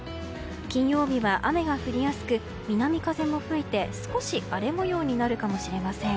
金曜日は雨が降りやすく南風も吹いて少し荒れ模様になるかもしれません。